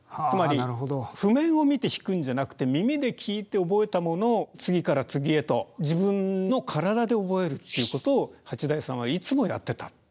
つまり譜面を見て弾くんじゃなくて耳で聴いておぼえたものを次から次へと自分の体でおぼえるっていうことを八大さんはいつもやってた。